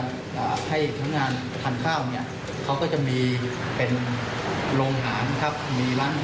แล้วนี้ก็ทำไม